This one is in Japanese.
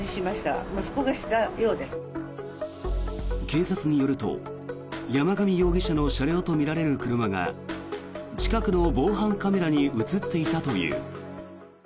警察によると山上容疑者の車両とみられる車が近くの防犯カメラに映っていたという。